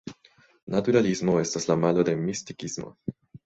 Naturalismo estas la malo de Mistikismo.